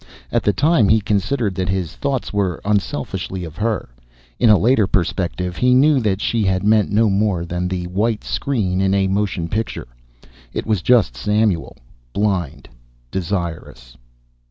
At the time he considered that his thoughts were unselfishly of her; in a later perspective he knew that she had meant no more than the white screen in a motion picture: it was just Samuel blind, desirous.